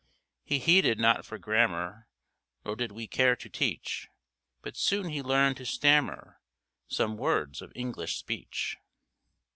He heeded not for grammar, Nor did we care to teach, But soon he learned to stammer Some words of English speech.